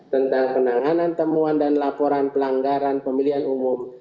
tentang penanganan temuan dan laporan pelanggaran pemilihan umum